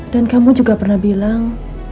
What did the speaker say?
dan kamu juga pernah bilang